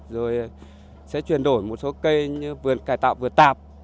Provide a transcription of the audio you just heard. rồi sẽ chuyển đổi một số cây như vườn cải tạo vườn tạp